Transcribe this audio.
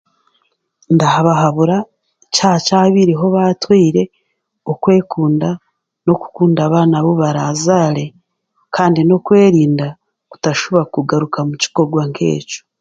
Ndahabahabura kyakyabaireho baatwire okwekunda kandi n'okukunda abaana abu baraazaare kandi n'okwerinda obutashuha kugaruka omu kikorwa nk'ekyo